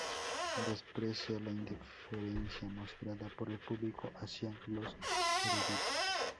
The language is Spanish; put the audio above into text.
Desprecia la indiferencia mostrada por el público hacia los eruditos.